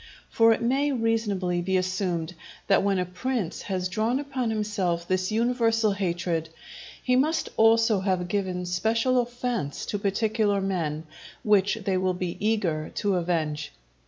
For it may reasonably be assumed, that when a prince has drawn upon himself this universal hatred, he must also have given special offence to particular men, which they will be eager to avenge.